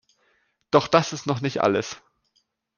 Doch das ist noch nicht alles!